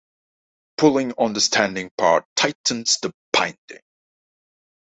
Pulling on the standing part tightens the binding.